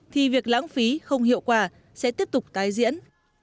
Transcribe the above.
thì việc lãng phí không hiệu quả sẽ tiếp tục tái diễn